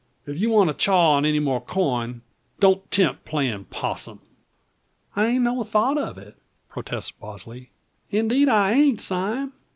If ye want to chaw any more corn, don't 'tempt playin' possum." "I hain't no thought of it," protests Bosley, "indeed I hain't, Sime.